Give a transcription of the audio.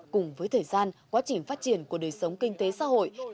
cùng với thời gian quá trình phát triển của đời sống kinh tế xã hội